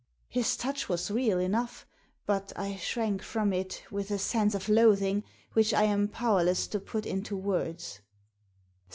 His touch was real enough, but I shrank from it with a sense of loathing which I am powerless to put into words.